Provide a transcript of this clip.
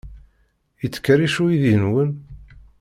Yettkerric uydi-nwen?